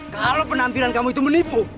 kalau penampilan kamu itu menipu